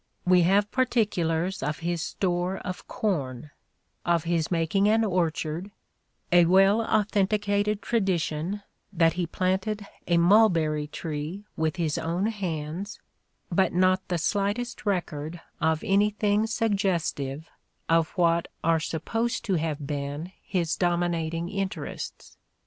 We have particulars of his store of corn ; of his making an orchard ; "a well authenticated tradition that he planted a mulberry tree with his own hands "; but not the slightest record of anything suggestive of what are supposed to have been his dominating interests.